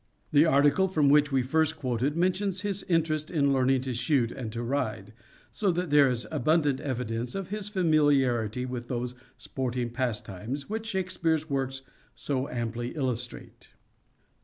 The article from whicn we first quoted mentions nis interest in learning to shoot and to ride, so that there is abundant evidence of his familiarity with those sporting pastimes which Shakespeare's works so amply illustrate.